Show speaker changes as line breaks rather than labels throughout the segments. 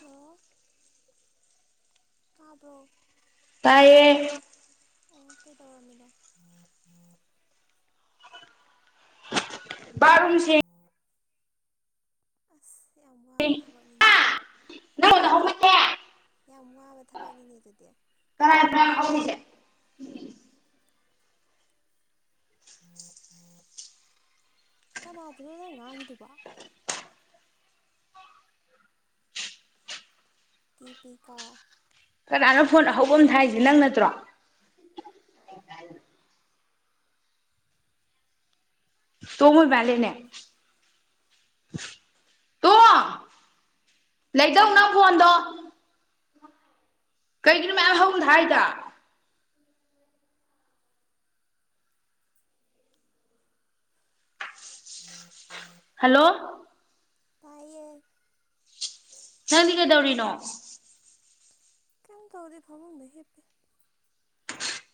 hello ꯇꯥꯕ꯭ꯔꯣ
ꯇꯥꯏꯌꯦ
ꯑꯣ ꯀꯩꯗꯧꯔꯥꯃꯤꯅꯣ
ꯕꯥꯔꯠ ꯔꯨꯝ ꯁꯦꯡ
ꯑꯁ ꯁꯤ ꯌꯥꯝ ꯋꯥꯕ ꯊꯕꯛꯅꯤꯅꯦ
[unintelligible]
ꯌꯥꯝ ꯋꯥꯕ ꯊꯕꯛꯅꯤꯅꯦ ꯑꯗꯨꯗꯤ
ꯀꯔꯥꯏꯗꯥ
ꯎꯝ ꯎꯝ ꯀꯅꯥꯗꯅꯣ ꯅꯪ ꯉꯥꯏꯉꯤꯗꯨꯕ ꯗꯤꯄꯤꯀꯥ
ꯀꯥꯟꯅ ꯐꯣꯟ ꯑꯍꯧꯕ ꯑꯃ ꯊꯥꯏꯁꯦ ꯅꯪ ꯅꯠꯇ꯭ꯔꯣ ꯇꯃꯣꯏ ꯃꯦꯂꯦꯅꯦ ꯂꯩꯗꯧ ꯅꯪ ꯐꯣꯟꯗꯣ ꯀꯩꯒꯤꯅꯣ ꯃꯌꯥꯝ ꯍꯧꯆ ꯊꯥꯏꯗꯣ ꯍꯜꯂꯣ
ꯇꯥꯏꯌ‌ꯦ
ꯅꯪꯗꯤ ꯀꯩꯗꯧꯔꯤꯅꯣ
ꯀꯝ ꯇꯧꯗꯤ ꯐꯥꯃ ꯍꯗ ꯍꯦꯠꯇꯦ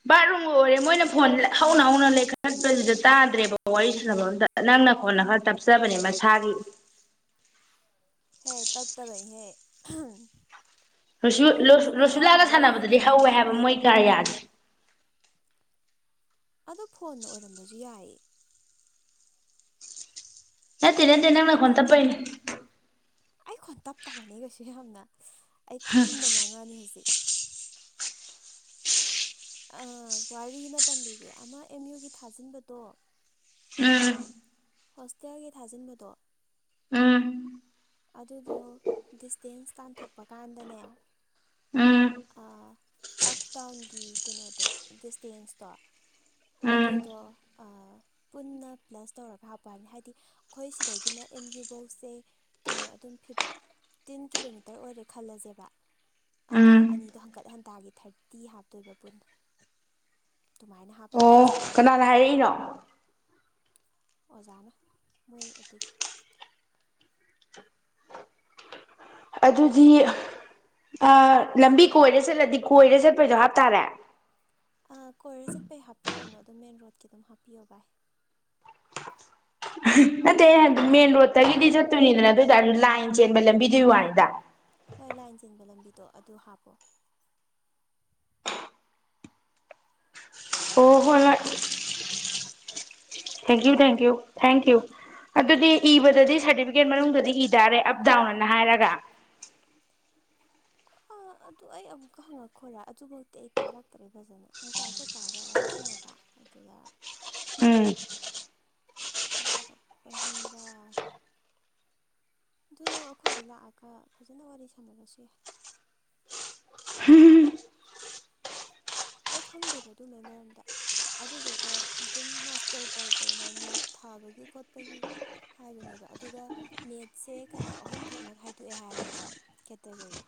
ꯕꯥꯠꯔꯨꯝꯒ ꯑꯣꯏꯔꯦ ꯃꯣꯏꯅ ꯐꯣꯟ ꯍꯧꯅ ꯍꯧꯅ ꯂꯩꯈꯠꯠꯄꯗꯨꯗ ꯇꯥꯗ꯭ꯔꯦꯕ ꯋꯥꯔꯤ ꯁꯥꯟꯅꯕ ꯑꯗ ꯅꯪꯅ ꯐꯣꯟꯅ ꯈꯔ ꯇꯞꯆꯕꯅꯦ ꯃꯁꯥꯒꯤ
ꯍꯦ ꯇꯞ ꯇꯕꯏ ꯍꯦ
ꯔꯨꯁꯨꯂꯥꯒ
ꯑꯃ
ꯁꯥꯟꯅꯕꯗꯗꯤ ꯍꯧꯋꯦ ꯍꯥꯏꯕ
ꯇꯝꯕꯤꯒꯦ
ꯃꯣꯏ ꯀꯥ ꯌꯥꯗꯦ
ꯑꯗꯣ ꯐꯣꯟꯅ ꯑꯣꯏꯔꯝꯕꯁꯨ ꯌꯥꯏ
ꯅꯠꯇ‌ꯦ ꯅꯠꯇꯦ ꯅꯪ ꯅꯈꫭꯟ ꯇꯞꯄꯩꯅꯤ
ꯑꯩꯈꯣꯟ ꯇꯞꯇꯕꯅꯤ ꯀꯩꯁꯨ ꯌꯥꯝꯅ ꯑꯩ ꯀꯟꯅ ꯉꯥꯡꯉꯛꯅꯤ ꯍꯧꯖꯤꯛ ꯋꯥꯔꯤ ꯑꯃ ꯇꯝꯕꯤꯒꯦ ꯑꯃ ꯑꯦꯝ ꯌꯨꯒꯤ ꯊꯥꯖꯤꯟꯕꯗꯣ
ꯎꯝ
ꯍꯣꯁꯇꯦꯜꯒꯤ ꯊꯥꯖꯤꯟꯕꯗꯣ
ꯎꯝ
ꯑꯗꯨꯗꯣ ꯗꯤꯁꯇꯦꯟꯁ ꯇꯥꯟꯊꯣꯛꯄ ꯀꯥꯟꯗꯅꯦ
ꯎꯝ
ꯑꯞ ꯗꯥꯎꯟꯒꯤ ꯀꯩꯅꯣꯗꯣ ꯗꯤꯁꯇꯦꯟꯁꯇꯣ
ꯎꯝ
ꯑꯗꯨꯗꯣ ꯄꯨꯟꯅ ꯄ꯭ꯂꯁ ꯇꯧꯔꯒ ꯍꯥꯞꯄ ꯍꯥꯏꯕꯅꯤ ꯍꯥꯏꯗꯤ ꯑꯩꯈꯣꯏ ꯁꯤꯗꯒꯤꯅ ꯑꯦꯝ ꯌꯨ ꯕꯧꯁꯦ ꯀꯩꯅꯣ ꯑꯗꯨꯝ ꯐꯤꯞꯇꯤꯟ ꯀꯤꯂꯣꯃꯤꯇꯔ ꯑꯣꯏꯔꯦ ꯈꯜꯂꯁꯦꯕ ꯑꯗꯨ
ꯎꯝ
ꯑꯅꯤꯗꯣ ꯍꯟꯀꯠ ꯍꯟꯇꯥꯒꯤ ꯊꯥꯔꯇꯤ ꯍꯥꯞꯇꯣꯏꯕ ꯄꯨꯟꯅ ꯑꯗꯨꯃꯥꯏꯅ ꯍꯥꯞ
ꯀꯅꯥꯅ ꯍꯥꯏꯔꯛꯏꯅꯣ
ꯑꯣꯖꯥꯅ ꯃꯣꯏ ꯑꯗꯨꯒꯤ
ꯑꯗꯨꯗꯤ ꯑꯥ ꯂꯝꯕꯤ ꯀꯣꯏꯔ ꯆꯠꯂꯗꯤ ꯀꯣꯏꯔ ꯆꯠꯄꯩꯁꯨ ꯍꯥꯞꯇꯥꯔꯦ
ꯀꯣꯏꯔ ꯆꯠꯄꯩ ꯍꯥꯞꯄꯤꯔꯨꯅꯨ ꯑꯗꯨꯝ ꯃꯦꯟ ꯔꯣꯗꯀꯤ ꯑꯗꯨꯝ ꯍꯥꯞꯄꯤꯌꯣ ꯚꯥꯏ
ꯅꯠꯇꯦ ꯃꯦꯟ ꯔꯣꯗꯇꯒꯤꯗꯤ ꯆꯠꯇꯣꯏꯅꯤꯗꯅ ꯑꯗꯨ ꯑꯣꯏ ꯂꯥꯏꯟ ꯆꯦꯟꯕ ꯂꯝꯕꯤꯗꯨꯏ ꯋꯥꯅꯤꯗ
ꯍꯣꯏ ꯂꯥꯏꯟ ꯆꯤꯟꯕ ꯂꯝꯕꯤꯗꯣ ꯑꯗꯨ ꯍꯥꯞꯄꯣ
ꯑꯣ ꯍꫭꯏ ꯍꫭꯏ ꯊꯦꯡꯀ꯭ꯌꯨ ꯊꯦꯡꯀ꯭ꯌꯨ ꯊꯦꯡꯀ꯭ꯌꯨ ꯑꯗꯨꯗꯤ ꯏꯕꯗꯗꯤ ꯁꯥꯔꯇꯤꯐꯤꯀꯦꯠ ꯃꯅꯨꯡꯗꯗꯤ ꯏꯗꯥꯔꯦ ꯑꯞ ꯗꯥꯎꯟ ꯑꯅ ꯍꯥꯏꯔꯒ
ꯑꯥ ꯑꯗꯨ ꯑꯩ ꯑꯃꯨꯛꯀ ꯍꯪꯉꯛꯈꫭꯔꯥ ꯑꯗꯨꯃꯛꯇꯤ ꯑꯩ ꯇꯥꯔꯛꯇ꯭ꯔꯦ ꯐꯖꯅ ꯉꯁꯥꯏ ꯑꯩꯈꯣꯏ ꯄꯥꯒ ꯋꯥꯔꯤꯁꯥꯅꯕ ꯑꯗꯨꯗ
ꯎꯝ
ꯇꯥꯔꯛꯄꯅꯤꯗ ꯑꯗꯨ ꯅꯪ ꯑꯩꯈꯣꯏꯗ ꯂꯥꯛꯑꯒ ꯐꯖꯅ ꯋꯥꯔꯤ ꯁꯥꯟꯅꯔꯁꯨ ꯌꯥꯏ ꯑꯩ ꯈꯪꯗꯦꯕ ꯑꯗꯨꯃꯥꯏ ꯃꯔꯝꯗ ꯑꯗꯨꯗꯨꯒ ꯑꯗꯨꯝ ꯃꯥꯁꯇꯔ ꯇꯧ ꯇꯧꯅ ꯅꯦꯠ ꯊꯥꯕꯒꯤ ꯈꯣꯠꯄꯒꯤ ꯍꯥꯏꯕꯅꯦꯕ ꯑꯗꯨꯒ ꯅꯦꯠꯁꯦ ꯀꯩꯅꯣ ꯑꯍꯨꯝ ꯊꯣꯛꯅ ꯈꯥꯏꯗꯣꯛꯑꯦ ꯍꯥꯏꯕꯀꯣ ꯀꯦꯇꯒꯣꯔꯤ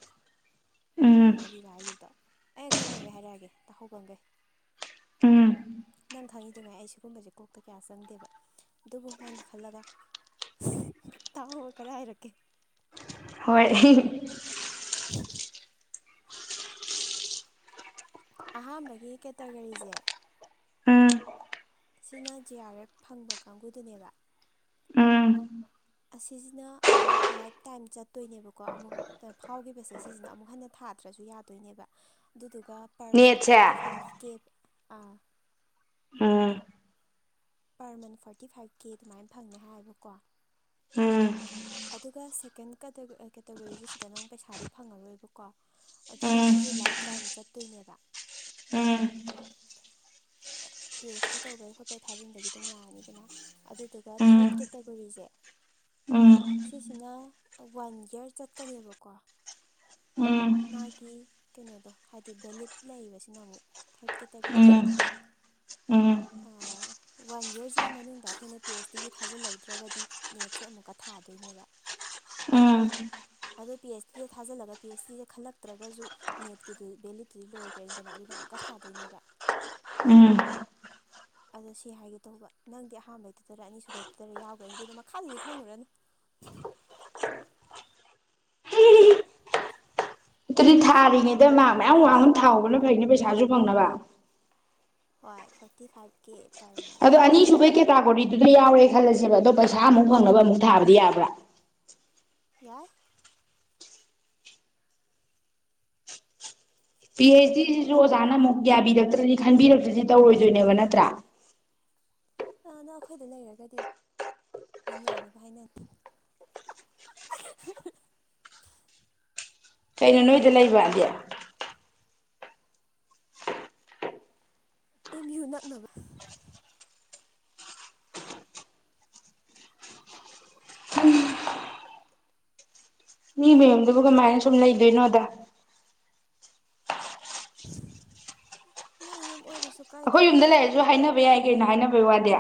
ꯑꯍꯨꯝꯅ
ꯎꯝ
ꯃꯔꯤꯔꯣ ꯍꯥꯏꯈꯤꯕꯗꯣ ꯑꯩ ꯈꯪꯕꯒꯦ ꯍꯥꯏꯔꯛꯑꯒꯦ ꯇꯥꯍꯨꯒꯪꯒꯦ
ꯎꯝ
ꯅꯪ ꯈꯪꯉꯤꯗꯨ ꯉꯥꯏ ꯑꯩ ꯁꯤꯒꯨꯝꯕꯁꯦ ꯀꯣꯛꯇ ꯀꯌꯥ ꯆꯪꯗꯦꯕ ꯑꯗꯨꯕꯨ ꯅꯪꯒꯤ ꯈꯜꯂꯒ ꯇꯥꯎꯍꯕ ꯀꯗꯥ ꯍꯥꯏꯔꯛꯀꯦ
ꯍꯣꯏ
[inaudible] ꯑꯍꯥꯟꯕꯒꯤ ꯀꯦꯇꯒꯣꯔꯤꯁꯦ
ꯎꯝ
ꯁꯤꯅ ꯖꯦ ꯑꯥꯔ ꯑꯦꯐ ꯐꯪꯕ ꯀꯥꯡꯕꯨꯗꯨꯅꯦꯕ
ꯎꯝ
ꯑꯁꯤꯁꯤꯅ ꯑꯃꯨꯛ ꯂꯥꯏꯞ ꯇꯥꯏꯝ ꯆꯠꯇꯣꯏꯅꯦꯕꯀꯣ ꯑꯃꯨꯛ ꯐꯥꯎꯈꯤꯕꯁꯦ ꯁꯤꯁꯤꯅ ꯑꯃꯨꯛ ꯍꯟꯅ ꯊꯥꯗ꯭ꯔꯁꯨ ꯌꯥꯗꯣꯏꯅꯦꯕ ꯑꯗꯨꯗꯨꯒ ꯑꯗꯨꯒ ꯄꯔ ꯃꯟ
ꯅꯦꯠꯁꯦ
ꯐꯣꯔꯇꯤ ꯐꯥꯏꯚ ꯀꯦꯞ
ꯎꯝ
ꯄꯔ ꯃꯟ ꯐꯣꯔꯇꯤ ꯐꯥꯏꯚ ꯀꯦ ꯑꯗꯨꯃꯥꯏꯅ ꯐꯪꯅꯤ ꯍꯥꯏꯌꯦꯕꯀꯣ
ꯎꯝ
ꯑꯗꯨꯒ ꯁꯦꯀꯦꯟ ꯀꯦꯇꯒꯣꯔꯤꯁ ꯁꯤꯗꯅ ꯑꯃꯨꯛ ꯄꯩꯁꯥꯗꯤ ꯐꯪꯉꯔꯣꯏꯕꯀꯣ ꯑꯗꯨꯒ
ꯎꯝ
ꯁꯤꯁꯨ ꯂꯥꯏꯞ ꯇꯥꯏꯝ ꯆꯠꯇꯣꯏꯅꯦꯕ
ꯎꯝ
ꯄꯤ ꯑꯩꯆ ꯗꯤ ꯇꯧꯕꯩ ꯈꯣꯠꯄꯩ ꯊꯥꯖꯤꯟꯕꯒꯤ ꯑꯗꯨꯝ ꯌꯥꯔꯅꯤꯗꯅ ꯑꯗꯨꯗꯨꯒ ꯊꯔꯠ
ꯎꯝ
ꯀꯦꯇꯥꯒꯣꯔꯤꯁꯦ
ꯎꯝ
ꯁꯤꯁꯤꯅ ꯋꯥꯟ ꯌꯔ ꯆꯠꯀꯅꯦꯕꯀꯣ
ꯎꯝ
ꯃꯥꯒꯤ ꯀꯩꯅꯣꯗꯣ ꯍꯥꯏꯗꯤ ꯚꯦꯂꯤꯠ ꯂꯩꯕꯁꯤꯅ ꯑꯃꯨꯛ ꯊꯥꯔꯠ ꯀꯦꯇꯥꯒꯣꯔꯤꯁꯤꯅ
ꯎꯝ ꯎꯝ
ꯋꯥꯟ ꯌꯔꯁꯤꯒꯤ ꯃꯅꯨꯡꯗ ꯑꯩꯈꯣꯏꯅ ꯄꯤ ꯑꯩꯩꯆ ꯗꯤꯒꯤ ꯊꯥꯖꯤꯜꯍꯧꯗ꯭ꯔꯒꯗꯤ ꯅꯦꯠꯁꯦ ꯑꯃꯨꯛꯀ ꯊꯥꯗꯣꯏꯅꯦꯕ
ꯎꯝ
ꯑꯗꯣ ꯄꯤ ꯑꯩꯁ ꯗꯤꯗ ꯊꯥꯖꯤꯜꯂꯒ ꯄꯤ ꯑꯩꯁ ꯗꯤꯗ ꯈꯜꯂꯛꯇ꯭ꯔꯒꯁꯨ ꯅꯦꯠꯀꯤꯗꯨ ꯚꯦꯂꯨꯠꯇꯨꯗꯤ ꯂꯣꯏꯈ꯭ꯔꯅꯗꯅ ꯑꯗꯨꯅ ꯑꯃꯨꯛꯀ ꯊꯥꯗꯣꯏꯅꯦꯕ
ꯎꯝ
ꯑꯗꯣ ꯁꯤ ꯍꯥꯏꯒꯦ ꯇꯧꯕ ꯅꯪꯗꯤ ꯑꯍꯥꯟꯕꯩꯗꯨꯗꯔ ꯑꯅꯤꯁꯨꯕꯩꯗꯨꯗꯔ ꯌꯥꯎꯈ꯭ꯔꯅꯤ ꯑꯗꯨꯗ ꯃꯈꯥꯗꯗꯤ ꯈꯪꯉꯨꯔꯅꯨ
ꯑꯗꯨꯗꯤ ꯊꯥꯔꯤꯉꯩꯗ ꯃꯥ ꯃꯌꯥꯝ ꯋꯥꯡꯅ ꯊꯥꯎꯍꯧꯕꯅ ꯐꯩꯅꯦ ꯄꯩꯁꯥꯁꯨ ꯐꯪꯅꯕ
ꯍꯣꯏ ꯐꯣꯔꯇꯤ ꯐꯥꯏꯚꯀꯤ
ꯑꯗ ꯑꯅꯤꯁꯨꯨꯕꯦꯛ ꯀꯦ ꯇꯥꯒꯣ ꯋꯥꯔꯤ ꯑꯗꯨꯗ ꯌꯥꯎꯔꯦ ꯈꯜꯂꯁꯦꯕ ꯑꯗꯣ ꯄꯩꯁꯥ ꯑꯃꯨꯛ ꯐꯪꯅꯕ ꯑꯃꯨꯛ ꯊꯥꯕꯗꯤ ꯌꯥꯕ꯭ꯔꯥ
[unintelligible]
ꯄꯤ ꯑꯩꯩꯆ ꯗꯤꯁꯤꯁꯨ ꯑꯣꯖꯥꯅ ꯑꯃꯨꯛ ꯌꯥꯕꯤꯔꯛꯇ꯭ꯔꯗꯤ ꯈꯟꯕꯤꯔꯛꯇ꯭ꯔꯗꯤ ꯇꯧꯔꯣꯏꯗꯣꯏꯅꯦꯕ ꯅꯠꯇ꯭ꯔꯥ
ꯅꯪ ꯑꯩꯈꯣꯏꯗ ꯂꯩꯔꯒꯗꯤ ꯑꯗꯨꯝ ꯌꯥꯅꯕ ꯍꯥꯏꯅ
ꯀꯩꯅꯣ ꯅꯣꯏꯗ ꯂꯩꯕꯗꯤ
ꯑꯦꯝ ꯌꯨ ꯅꯛꯅꯕ
ꯃꯤ ꯃꯌꯨꯝꯗꯨꯕꯨ ꯀꯃꯥꯏꯅ ꯁꯨꯝ ꯂꯩꯗꯣꯏꯅꯣꯗ
ꯅꯪ ꯌꯨꯝ ꯑꯣꯏꯔꯁꯨ
ꯑꯩꯈꯣꯏ
ꯀꯥꯏꯗꯦꯗ
ꯌꯨꯝꯗ ꯂꯩꯔꯁꯨ ꯍꯥꯏꯅꯕ ꯌꯥꯏ ꯑꯩꯅ ꯍꯥꯏꯅꯕꯒꯤ ꯋꯥꯗꯦ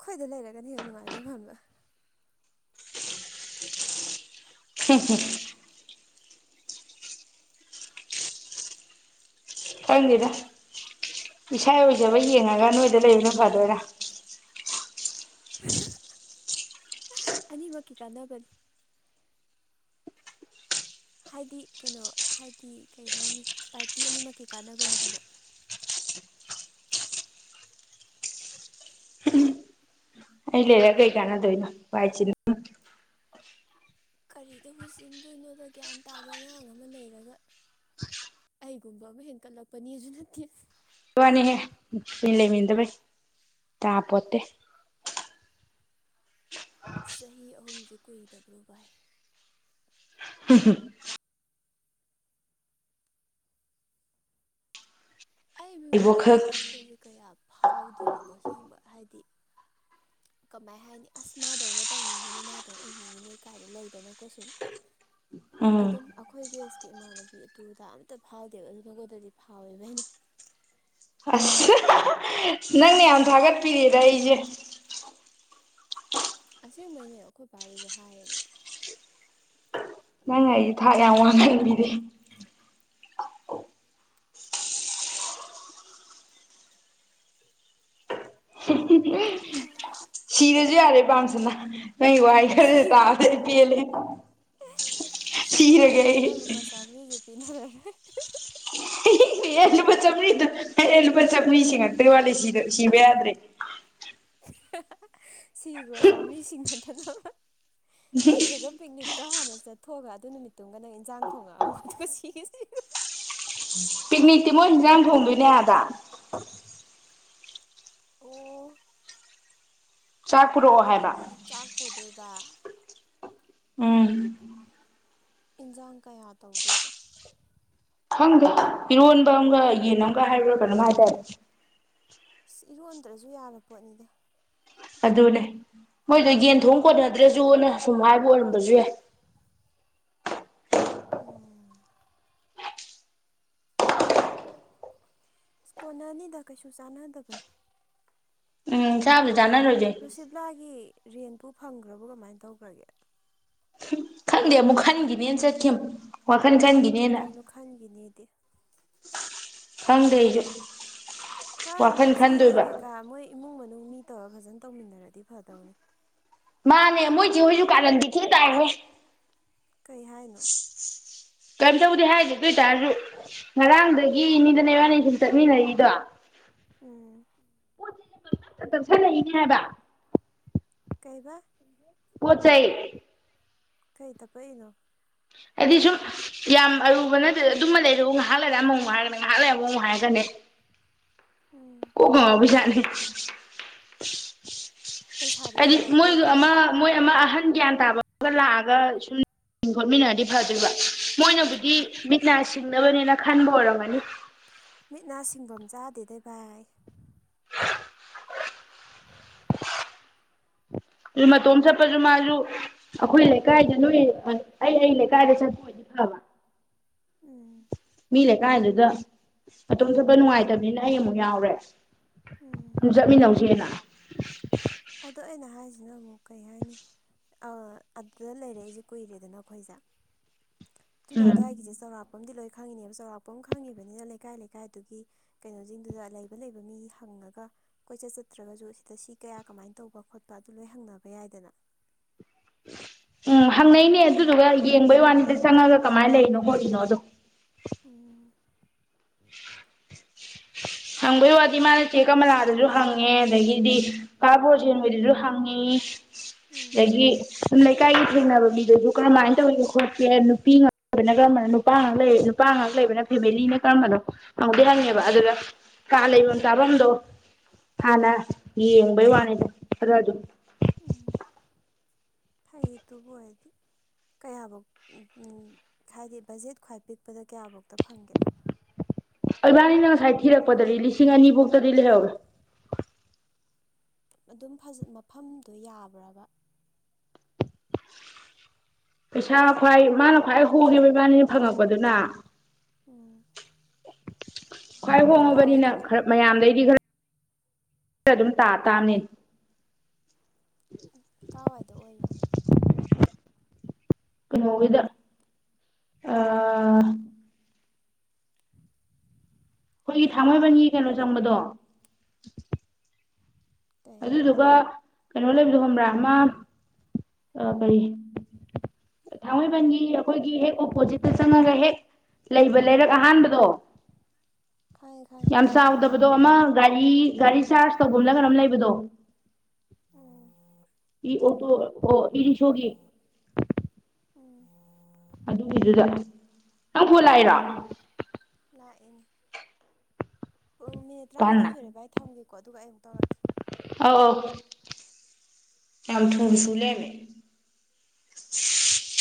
ꯈꯣꯏꯗ ꯂꯩꯔꯒꯅ ꯌꯥꯝ ꯅꯨꯡꯉꯥꯏꯗꯧ ꯍꯕ
[unintelligible] ꯈꯪꯗꯦꯗ ꯏꯁꯥ ꯑꯣꯏꯖꯕ ꯌꯦꯡꯉꯒ ꯅꯣꯏꯗ ꯂꯩꯕꯅ ꯐꯗꯣꯏꯔꯥ
ꯑꯅꯤꯃꯛꯀꯤ ꯀꯥꯟꯅꯕꯅꯦ ꯍꯥꯏꯗꯤ ꯀꯩꯅꯣ ꯍꯥꯏꯗꯤ ꯀꯩ ꯍꯥꯏꯅꯤ ꯄꯥꯔꯇꯤ ꯑꯅꯤꯃꯛꯀꯤ ꯀꯥꯟꯅꯕꯅꯤ ꯍꯥꯏꯕ
ꯑꯩ ꯂꯩꯔ ꯀꯩ ꯀꯥꯟꯅꯗꯣꯏꯅꯣ ꯋꯥꯏ ꯆꯤꯅꯝꯅꯤ
ꯀꯔꯤꯗꯕꯨ ꯆꯤꯟꯗꯣꯏꯅꯣꯗ ꯒ꯭ꯌꯥꯟ ꯇꯥꯕ ꯑꯉꯥꯡ ꯑꯃ ꯂꯩꯔꯒ ꯑꯩꯒꯨꯝꯕ ꯑꯃ ꯍꯦꯟꯀꯠꯂꯛꯄꯅꯤꯁꯨ ꯅꯠꯇꯦ
ꯄꯅꯤ ꯍꯦ ꯄ ꯂꯩ ꯃꯤꯗꯕꯩ ꯇ ꯄꯣꯠꯇ
ꯆꯍꯤ ꯑꯍꯨꯝꯁꯨ ꯀꯨꯏꯗꯕ꯭ꯔꯣꯏ
ꯍꯝ
ꯑꯩ ꯃꯤꯉꯣꯟꯗ
ꯏꯕꯣꯛꯈꯛ
ꯀꯜꯂꯛꯄꯁꯦ ꯀꯌꯥ ꯐꯥꯎꯗꯦꯕꯀꯣ ꯁꯦꯡꯕ ꯍꯥꯏꯗꯤ ꯀꯃꯥꯏ ꯍꯥꯏꯅꯤ ꯑꯁ ꯃꯥꯗꯧꯅ ꯇꯧꯅꯤꯡꯉꯤꯅꯦ ꯃꯥꯗꯧ ꯑꯣꯏꯅꯤꯡꯉꯤꯅꯦ ꯀꯥꯏꯅ ꯂꯩꯗꯅꯀꯣ ꯁꯨꯝ
ꯎꯝ
ꯑꯗꯨꯝ ꯑꯩꯈꯣꯏ ꯏꯃꯥꯟꯅꯕꯤ ꯑꯗꯨꯗ ꯑꯃꯝꯇ ꯐꯥꯎꯗꯦꯕ ꯑꯗꯨ ꯅꯪꯉꯣꯟꯗꯗꯤ ꯐꯥꯎꯋꯦꯕ ꯑꯩꯅ
ꯅꯪꯅ ꯌꯥꯝ ꯊꯥꯒꯠꯄꯤꯔꯦꯗ ꯑꯩꯁꯦ
ꯑꯁꯦꯡꯕꯩꯅꯦ ꯑꯩꯈꯣꯏ ꯄꯥꯗꯨꯁꯨ ꯍꯥꯏꯔꯅꯦ
ꯅꯪ ꯑꯩ ꯊꯥꯛ ꯌꯥꯝ ꯋꯥꯡꯊꯟꯕꯤꯗꯦ
[unintelligible]
ꯁꯤꯔꯁꯨ ꯌꯥꯔꯦ ꯄꯥꯝꯁꯤꯅ ꯅꯪ ꯋꯥꯏ ꯈꯔꯁꯦ
ꯁꯤꯈ꯭ꯔꯣ
ꯇꯥꯗ ꯄꯦꯂꯦ ꯑꯩ
ꯁꯤꯈ꯭ꯔꯣ
ꯁꯤꯔꯒꯦ
ꯑꯗꯨꯗꯤ ꯅꯪ ꯂꯨꯄꯥ ꯆꯥꯝꯃꯔꯤꯁꯨ ꯄꯤꯅꯔꯔꯣꯏ
ꯑꯦ ꯂꯨꯄꯥ ꯆꯥꯝꯔꯤꯗꯣ ꯑꯦ ꯂꯨꯄꯥ ꯆꯥꯝꯔꯤ ꯁꯦꯝꯉꯛꯇꯒꯤ ꯋꯥꯂꯦ ꯁꯤꯗ ꯁꯤꯕ ꯌꯥꯗ꯭ꯔꯦ
[unintelligible] ꯁꯤꯈ꯭ꯔꯣ ꯆꯥꯝꯔꯤꯁꯤꯡꯒ꯭ꯔ [unintelligible] [unintelligible] ꯇꯣ ꯍꯥꯟꯅ ꯆꯠꯊꯣꯛꯑꯒ ꯑꯗꯨ ꯅꯨꯃꯤꯠꯇꯨꯡꯒ ꯅꯪ ꯏꯟꯖꯥꯡ ꯊꯣꯡꯉꯛꯑꯝꯒꯣ ꯑꯗꯨꯒ ꯁꯤꯁ
ꯄꯤꯛꯅꯤꯛꯇꯤ ꯃꯣꯏ ꯍꯟꯖꯥꯡ ꯊꯣꯡꯕꯤꯅꯦ ꯑꯗ
ꯑꯣ
ꯆꯥꯛ ꯄꯨꯔꯛꯑꯣ ꯍꯥꯏꯕ
ꯑꯗꯨꯗꯤ ꯆꯥꯛꯄꯣꯗꯣꯏꯕ [unintelligible]
ꯑꯣ
ꯏꯟꯁꯥꯡ ꯀꯌꯥ ꯇꯧꯗꯣꯏꯕ
ꯈꯪꯗ꯭ꯔꯦ ꯏꯔꯣꯟꯕ ꯑꯃꯒ ꯌꯦꯟ ꯑꯃꯒ ꯍꯥꯏꯔꯨꯔꯒ ꯑꯗꯨꯝ ꯍꯥꯏꯇꯥꯔꯦ
ꯁ ꯏꯔꯣꯟꯗ꯭ꯔꯁꯨ ꯌꯥꯔꯕ ꯄꯣꯠꯅꯤꯗ
ꯑꯗꯨꯅꯦ ꯃꯣꯏꯗꯣ ꯌꯦꯟ ꯊꯣꯡ ꯀꯣꯟꯅꯗ꯭ꯔꯁꯨꯅ ꯁꯨꯝ ꯍꯥꯏꯕ ꯑꯣꯏꯔꯝꯕꯁꯨ ꯌꯥꯏ
ꯎꯝ ꯁꯀꯣꯟꯅꯅꯤꯗ ꯀꯩꯁꯨ ꯆꯥꯟꯅꯗꯕꯅꯤ
ꯎꯝ ꯆꯥ
ꯔꯨꯁꯤꯕ ꯂꯒꯤ ꯔꯦꯟꯄꯨ ꯐꯪꯈ꯭ꯔꯕꯣ ꯀꯃꯥꯏꯅ ꯇꯧꯈ꯭ꯔꯒꯦ
ꯈꯪꯗꯦ ꯑꯃꯨꯛ ꯈꯟꯒꯤꯅꯦꯅ ꯆꯠꯈꯤ ꯍ
ꯀꯩꯅꯣ ꯈꯟꯈꯤꯅꯦꯗꯤ
ꯍꯪꯗ ꯍꯥꯏꯁꯨ
ꯃꯥꯗꯨꯣ ꯃꯆꯤ ꯑꯣꯏ ꯀꯩꯀꯥ ꯃꯣꯏ ꯏꯃꯨꯡ ꯃꯅꯨꯡ ꯃꯤ ꯇꯧꯔ ꯐꯖꯅ ꯇꯧꯃꯤꯟꯅꯔꯗꯤ ꯐꯗꯧꯅꯤ
ꯃꯥꯅꯦ ꯃꯣꯏꯁꯦ ꯍꫭꯏꯖꯨ ꯀꯥꯔꯟꯗꯤ ꯊꯤ ꯇꯥꯍ‌ꯦ
ꯀꯩ ꯍꯥꯏꯅꯣ
ꯀꯔꯤꯝ ꯇꯧꯗꯦ ꯍꯥꯏꯗꯤꯦ ꯑꯗꯨ ꯑꯣꯏꯇꯥꯔꯁꯨ ꯉꯔꯥꯡꯗꯒꯤꯅꯤꯗꯅꯦ ꯋꯥꯅꯤ ꯁꯨꯝ ꯆꯠꯃꯤꯟꯅꯔꯤꯗꯣ
ꯎꯝ
ꯄꯣꯠ ꯆꯩꯖ‌‌ꯦ ꯄꯪꯇꯞ ꯇꯥ ꯇꯞꯁꯟꯂꯛꯏꯅꯦ ꯍꯥꯏꯕ
ꯀꯩꯕ
ꯄꯣꯠ ꯆꯩꯥꯏ
ꯀꯩ ꯇꯄꯛꯏꯅꯣ
ꯍꯥꯏꯗꯤ ꯁꯨꯝ ꯌꯥꯝ ꯑꯔꯨꯕ ꯅꯠꯇ꯭ꯔ ꯑꯗꯨꯃ ꯂꯩꯔꯨ ꯉꯥꯏꯍꯥꯛ ꯂꯩꯔ ꯑꯃꯃꯨꯛ ꯍꯥꯏꯔꯒꯅꯦ ꯉꯥꯏꯍꯥꯛ ꯂꯩ ꯑꯃꯃꯨꯛ ꯍꯥꯏꯔꯒꯅꯦ
ꯎꯝ
ꯀꯣꯀꯥ ꯉꯥꯏꯕꯤ ꯖꯥꯠꯅꯤꯍ
ꯄꯩꯁꯥꯗꯤ
ꯍꯥꯏꯗꯤ
ꯊꯥꯔꯛꯄ꯭ꯔꯥ
ꯃꯣꯏꯗ
ꯑꯗꯨꯝ
ꯑꯃ ꯃꯣꯏ ꯑꯃ ꯑꯍꯟ ꯒ꯭ꯌꯥꯟ ꯇꯥꯕ ꯑꯃꯒ ꯂꯥꯛꯑꯒ ꯁꯨꯝ ꯈꯣꯠꯃꯤꯟꯅꯔꯗꯤ ꯐꯗ꯭ꯔꯤꯕ ꯃꯣꯏꯅꯕꯨꯗꯤ
ꯍꯣꯏ
ꯃꯤꯠꯅꯥꯁꯤ ꯕꯅꯤꯅ ꯈꯟꯕ ꯑꯣꯏꯔꯣ ꯃꯥꯅꯤ
ꯃꯤꯠ ꯅꯥ ꯁꯤꯡꯐꯝ ꯆꯥꯗꯦꯗꯥ ꯚꯥꯏ
ꯑꯗꯨ ꯃꯇꯣꯝ ꯆꯠꯄꯁꯨ ꯃꯥꯁꯨ ꯑꯩꯈꯣꯏ ꯂꯩꯀꯥꯏꯗ ꯅꯣꯏ ꯑꯩ ꯑꯩ ꯂꯩꯀꯥꯏꯗ ꯆꯠꯄ ꯑꫭꯏꯗꯤ ꯐꯕ
ꯎꯝ
ꯃꯤ ꯂꯩꯀꯥꯏꯗꯨꯗ ꯃꯇꫭꯝ ꯆꯠꯄ ꯅꯨꯡꯉꯥꯏꯇꯕꯅꯤꯅ ꯑꯩ ꯑꯃꯨꯛ ꯌꯥꯎꯔꯦ
ꯎꯝ
ꯑꯗꯨꯝ ꯆꯠꯃꯤꯟꯅꯧꯁꯤꯅ [inaudible]
ꯑꯗꯣ ꯑꯩꯅꯍꯥꯏ ꯏꯕꯨ ꯀꯩ ꯍꯥꯏꯅꯤ ꯑꯗꯨꯗ ꯂꯩꯔꯦꯏꯁꯦ ꯀꯨꯏꯔꯦꯗꯅ ꯑꯩꯈꯣꯏꯁꯦ ꯑꯗꯨꯅ
ꯎꯝ
ꯑꯗꯨꯋꯥꯏꯒꯤꯁꯦ ꯆꯥꯎꯧꯔꯥꯛꯄ ꯥꯈꯪꯗꯤ ꯂꯣꯏ ꯈꯪꯉꯤꯅꯦꯕ ꯆꯥꯎꯔꯥꯛꯄ ꯑꯃ ꯈꯪꯉꯤꯕꯅꯤꯅ ꯂꯩꯀꯥꯏ ꯂꯩꯀꯥꯏꯗꯨꯒꯤ ꯀꯩꯅꯣꯁꯤꯡꯗꯨꯗ ꯂꯩꯕ ꯂꯩꯕ ꯃꯤ ꯍꯪꯉꯒ ꯀꯣꯏꯆꯠ ꯆꯠꯇ꯭ꯔꯒꯁꯨ ꯁꯤꯗ ꯁꯤ ꯀꯌꯥ ꯀꯃꯥꯏꯅ ꯇꯧꯕ ꯈꯣꯠꯄ ꯑꯗꯨ ꯂꯣꯏ ꯍꯪꯅꯕ ꯌꯥꯏꯗꯅ
ꯎꯝ ꯍꯪꯅꯩꯅꯦ ꯑꯗꯨꯗꯨꯒ ꯌꯦꯡꯕꯩ ꯋꯥꯅꯤꯗ ꯆꯪꯉꯒ ꯀꯃꯥꯏꯅ ꯂꯩꯔꯤꯅꯣ ꯈꫭꯠꯂꯤꯅꯣꯗꯣ
ꯎ
[unintelligible] ꯍꯪꯕꯒꯤ ꯋꯥꯗꯤ ꯃꯥꯅ ꯆꯦꯛ ꯀꯃꯂꯥꯗꯁꯨ ꯍꯪꯉꯦ ꯑꯗꯒꯤꯗꯤ ꯀꯥꯕꯣꯔ ꯆꯦꯟꯕꯗꯁꯨ ꯍꯪꯉꯤ
ꯎꯝ
ꯂꯗꯒꯤ ꯂꯩꯀꯥꯏꯒꯤ ꯊꯦꯡꯅꯕ ꯃꯤꯗꯨꯁꯨ ꯀꯔꯝꯍꯥꯏꯅ ꯇꯧꯒꯦ ꯈꯣꯠꯀꯦ ꯅꯨꯄꯤ ꯉꯥꯛ ꯂꯩꯕꯅ ꯀꯔꯝꯕꯅꯣ ꯅꯨꯄꯥ ꯉꯥꯛ ꯂꯩ ꯅꯨꯄꯥ ꯉꯍꯥꯛ ꯂꯩꯕꯅ ꯐꯦꯃꯤꯂꯤꯅ ꯀꯔꯝꯕꯅꯣ ꯉꯪꯍꯧꯗꯗꯤ ꯍꯪꯉꯦꯕ ꯑꯗꯨꯒ ꯀꯥ ꯂꯩꯐꯝ ꯆꯥꯐꯝꯗꯣ ꯍꯥꯟꯅ ꯌꯦꯡꯕꯩ ꯋꯥꯅꯤꯗ ꯈꯔ ꯑꯗꯨꯝ
ꯎꯝ ꯐꯩ ꯇꯕꯨ ꯑꯣꯏꯔꯗꯤ ꯀꯌꯥꯐꯧ ꯍꯥꯏꯗꯤ ꯕꯖꯦꯠ ꯈ꯭ꯋꯥꯏ ꯄꯤꯛꯄꯗ ꯀꯌꯥꯐꯧꯗ ꯐꯪꯒꯦ
ꯏꯕꯥꯅꯤꯅ ꯉꯁꯥꯏ ꯊꯤꯔꯛꯄꯗꯗꯤ ꯂꯤꯁꯤꯡ ꯑꯅꯤ ꯐꯧꯇꯗꯤ ꯂꯩꯍꯧꯒꯦ
ꯑꯗꯨꯝ ꯃꯐꯝꯗꯣ ꯌꯥꯕ꯭ꯔꯕ
ꯄꯩꯁꯥ ꯈ꯭ꯋꯥꯏ ꯃꯥꯅ ꯈ꯭ꯋꯥꯏ ꯍꯨꯈꯤꯕꯕ ꯏꯃꯥꯅꯤꯅ ꯐꯪꯉꯛꯄꯗꯨꯅ
ꯎꯝ
ꯈ꯭ꯋꯥꯏ ꯍꯣꯡꯉꯕꯅꯤꯅ
ꯀꯥꯏꯋꯥꯏꯗꯅꯣ
ꯈꯔ ꯃꯌꯥꯝꯗꯩꯗꯤ ꯈꯔ ꯁꯤ ꯑꯗꯨꯝ ꯇꯥ ꯇꯥꯅꯤ
ꯀꯥꯏꯋꯥꯏꯗꯣ
ꯅꯣꯋꯗ ꯑ ꯑꯩꯈꯣꯏꯒꯤ ꯊꯥꯡꯃꯩꯕꯟꯒꯤ ꯀꯩꯅꯣ ꯆꯪꯕꯗꯣ
ꯀꯩ
ꯑꯗꯨꯗꯨꯕ ꯀꯩꯅꯣ ꯂꯩꯕꯗꯣ ꯈꯣꯕ꯭ꯔꯥ ꯑꯃ ꯀꯔꯤ ꯊꯥꯡꯃꯩꯕꯟꯒꯤ ꯑꯩꯈꯣꯏꯒꯤ ꯍꯦꯛ ꯑꯣꯄꯣꯖꯤꯠꯇ ꯆꯪꯉꯒ ꯍꯦꯛ ꯂꯩꯕ ꯂꯩꯔꯛ ꯑꯍꯥꯟꯕꯗꯣ
ꯈꯪꯉꯦ ꯈꯪꯉꯦ
ꯌꯥꯝ ꯆꯥꯎꯗꯕꯗꯣ ꯑꯃ ꯒꯥꯔꯤ ꯒꯥꯔꯤ ꯆꯥꯔꯖ ꯇꯧꯕꯒ ꯑꯃꯅ ꯀꯔꯣꯝ ꯂꯩꯕꯗꯣ
ꯎꯝ
ꯏ ꯑꯣ ꯇꯣ ꯑꯣ ꯏꯂꯤꯁ ꯍꯒꯤ
ꯎꯝ
ꯑꯗꯨꯒꯤꯗꯨꯗ ꯅꯪ ꯐꯣꯂꯏꯔꯣ
ꯏꯨꯡ ꯃꯤꯅꯤꯠ
ꯀꯟꯅ
ꯇꯔꯥꯃꯥꯊꯣꯏ ꯁꯨꯔꯦ ꯚꯥꯏ ꯊꯝꯒꯦꯀꯣ ꯑꯗꯨꯒ ꯑꯩꯨꯛ ꯇꯧꯔꯛꯀꯦ
ꯑꯝ ꯊꯨꯝꯁꯨꯨꯂꯦꯕ